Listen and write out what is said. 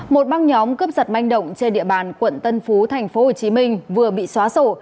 một băng nhóm cướp giật manh động trên địa bàn quận tân phú tp hcm vừa bị xóa sổ